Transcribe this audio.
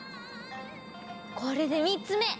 これで３つ目！